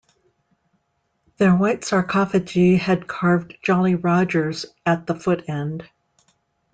Their white sarcophagi have carved "jolly rogers" at the foot end.